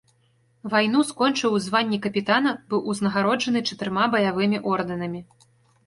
Вайну скончыў у званні капітана, быў узнагароджаны чатырма баявымі ордэнамі.